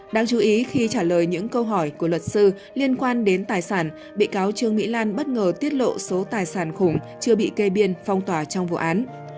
đáng chú ý khi trả lời những câu hỏi của luật sư liên quan đến tài sản bị cáo trương mỹ lan bất ngờ tiết lộ số tài sản khủng chưa bị cây biên phong tỏa trong vụ án